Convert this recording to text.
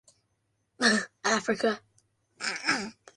Africa.